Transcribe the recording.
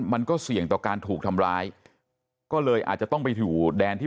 มันก็เสี่ยงต่อการถูกทำร้ายก็เลยอาจจะต้องไปอยู่แดนที่